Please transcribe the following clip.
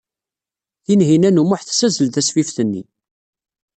Tinhinan u Muḥ tessazzel tasfift-nni.